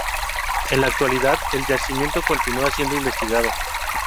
En la actualidad el yacimiento continúa siendo investigado.